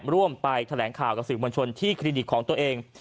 ร่วมไปแถลงข่าวกับสื่อมวลชนที่คลินิกของตัวเอง